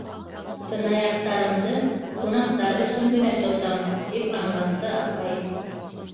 - Сынаяҡтарымды ҡунаҡтар өсөн генә тотам, - тип аңлатты апай.